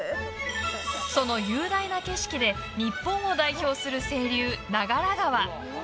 その雄大な景色で日本を代表する清流・長良川。